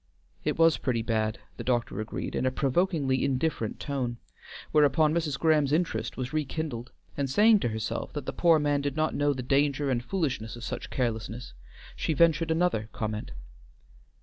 "It was pretty bad," the doctor agreed, in a provokingly indifferent tone, whereupon Mrs. Graham's interest was rekindled, and saying to herself that the poor man did not know the danger and foolishness of such carelessness, she ventured another comment.